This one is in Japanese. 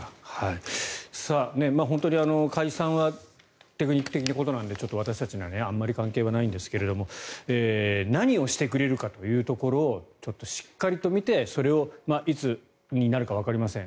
本当に解散はテクニック的なことなので私たちにはあまり関係はないんですが何をしてくれるかというところをしっかりと見てそれをいつになるかわかりません